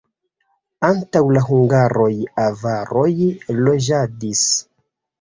Antaŭ la hungaroj avaroj loĝadis.